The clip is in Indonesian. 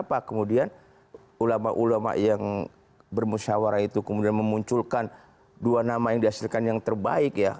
apa kemudian ulama ulama yang bermusyawarah itu kemudian memunculkan dua nama yang dihasilkan yang terbaik ya